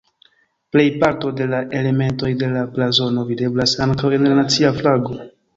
Plejparto de la elementoj de la blazono videblas ankaŭ en la nacia flago.